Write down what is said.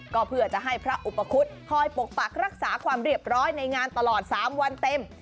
ก็เพื่อจะให้พระอุปคุฎคอยปกปักรักษาความเรียบร้อยในงานตลอด๓วันเต็ม